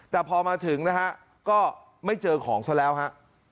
แต่พอมาถึงนะฮะก็ไม่เจอของซะแล้วฮะ